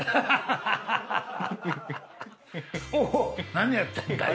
何やってんだい？